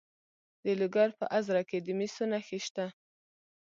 د لوګر په ازره کې د مسو نښې شته.